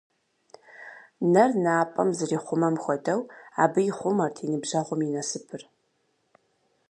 Нэр напӏэм зэрихъумэм хуэдэу, абы ихъумэрт и ныбжьэгъум и насыпыр.